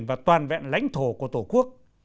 và toàn vẹn lãnh thổ của tổ quốc